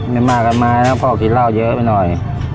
ไม่มากันมาแล้วพ่อกินเหล้าเยอะไปหน่อย